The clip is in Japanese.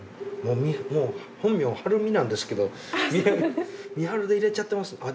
もう本名はるみなんですけどみはるで入れちゃってます。